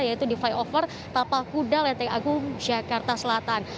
yaitu di flyover tapakuda lenteng agung jakarta selatan